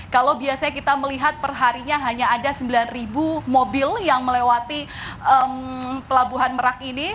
kalau biasanya kita melihat perharinya hanya ada sembilan mobil yang melewati pelabuhan merak ini